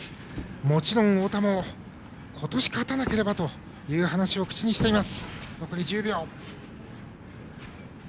もちろん太田も今年、勝たなければという話を口にしています。